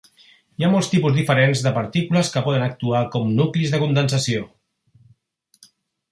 Hi ha molts tipus diferents de partícules que poden actuar com nuclis de condensació.